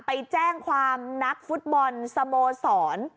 ไปแจ้งความนักฟุตบอลสโมสร